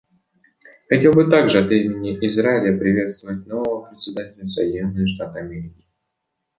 Хотел бы также от имени Израиля приветствовать нового Председателя — Соединенные Штаты Америки.